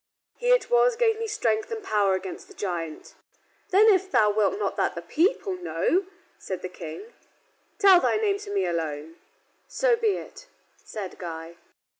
"He it was gave me strength and power against the giant." "Then if thou wilt not that the people know," said the King, "tell thy name to me alone." "So be it," said Guy.